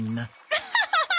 アハハハ！